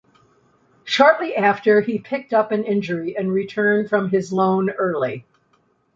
Shortly after, he picked up an injury and returned from his loan early.